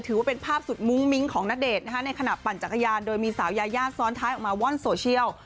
ถือว่าเป็นภาพสุดมุ้งมิ้งของณเดชน์ในขณะปั่นจักรยานโดยมีสาวยายาซ้อนท้ายออกมาว่อนโซเชียล